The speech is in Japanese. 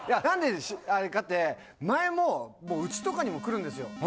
なんであれかって前もうちとかにも来るんですよ。